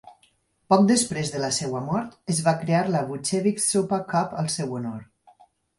Poc després de la seva mort, es va crear la "Vukcevich Super Cup" al seu honor.